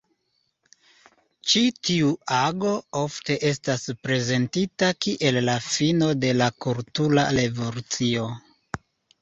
Ĉi tiu ago ofte estas prezentita kiel la fino de la Kultura Revolucio.